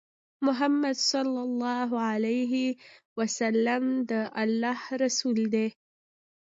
محمد صلی الله عليه وسلم د الله رسول دی